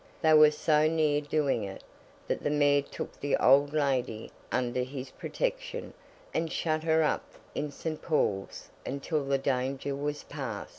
They were so near doing it, that the Mayor took the old lady under his protection, and shut her up in St. Paul's until the danger was past.